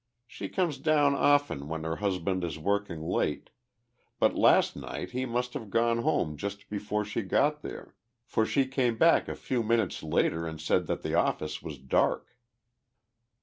She comes down often when her husband is working late, but last night he must have gone home just before she got there, for she came back a few minutes later and said that the office was dark."